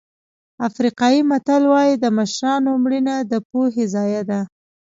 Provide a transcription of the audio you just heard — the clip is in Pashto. افریقایي متل وایي د مشرانو مړینه د پوهې ضایع ده.